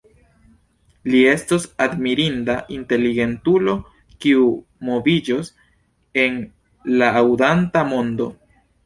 Li estos admirinda inteligentulo, kiu moviĝos en la aŭdanta mondo.